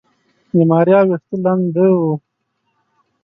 د ماريا ويښته لنده وه.